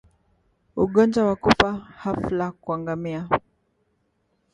Ugonjwa wa kufa ghafla kwa ngamia